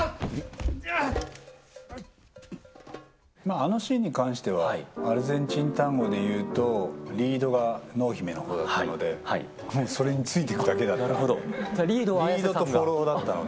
あのシーンに関しては、アルゼンチンタンゴでいうと、リードが濃姫のほうだったので、それについていくだけだったので。